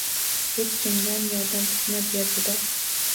Hech kimdan yordam kutma derdida